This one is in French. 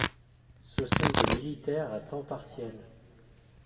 Ce sont des militaires à temps partiel.